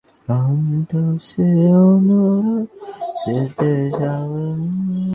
সেখানে লোক যথেষ্ট আছে অথচ তাহার উপর তাহাদের কোনো ভার নাই।